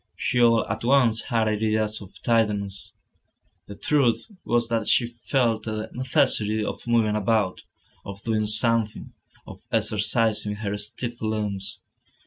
She all at once had ideas of tidiness. The truth was that she felt the necessity of moving about, of doing something, of exercising her stiff limbs.